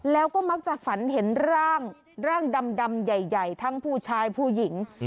แล้วก็มักจะฝันเห็นร่างดำใหญ่ทั้งผู้ชายผู้หญิง